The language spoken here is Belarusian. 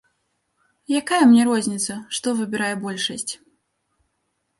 Якая мне розніцца, што выбірае большасць.